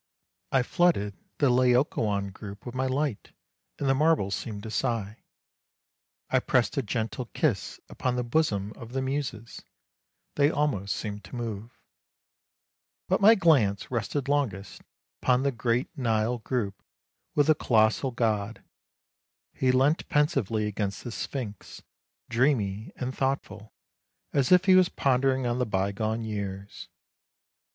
I flooded the Laocoon group with my light, and the marble seemed to sigh. I pressed a gentle kiss upon the bosom of the muses ; they almost seemed to move. SHE WAS CARRYING A WATER JAR OF ANTIQUE SHAPE. WHAT THE MOON SAW 255 But my glance rested longest upon the great Nile group with the colossal god. He leant pensively against the Sphinx, dreamy and thoughtful, as if he was pondering on the bygone years.